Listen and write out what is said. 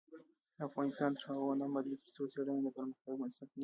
افغانستان تر هغو نه ابادیږي، ترڅو څیړنه د پرمختګ بنسټ نشي.